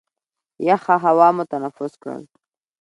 یخه هوا مو تنفس کړل.